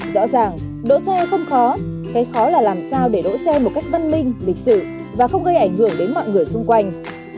rõ ràng đỗ xe không khó cái khó là làm sao để đỗ xe một cách văn minh lịch sự và không gây ảnh hưởng đến mọi người xung quanh